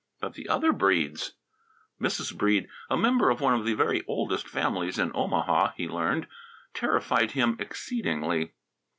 But the other Breedes! Mrs. Breede, a member of one of the very oldest families in Omaha, he learned, terrified him exceedingly.